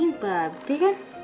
ini babe kan